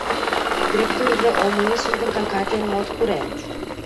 Drepturile omului sunt încălcate în mod curent.